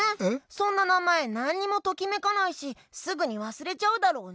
そんななまえなんにもときめかないしすぐにわすれちゃうだろうね。